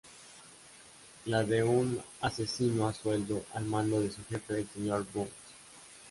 La de un asesino a sueldo al mando de su jefe, el Sr. Burns.